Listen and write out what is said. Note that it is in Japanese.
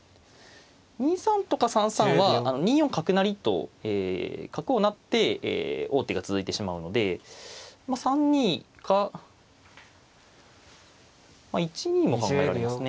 ２三とか３三は２四角成と角を成って王手が続いてしまうので３二か１二も考えられますね。